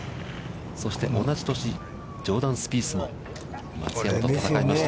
そして同じ年、ジョーダン・スピースも松山と戦いました。